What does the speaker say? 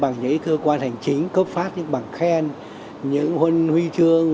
bằng những cơ quan hành chính cấp phát những bằng khen những huynh huy chương